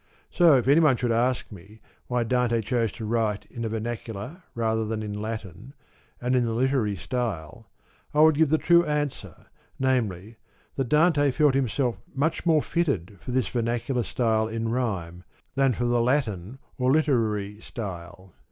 So if anyone should ask me why Dante chose to write in the vernacular rather than in Latin and in the literary style, I would give the true answer, namely, that Dante felt himself much more fitted for this vernacular style in rhyme, than for the Latin or literary style.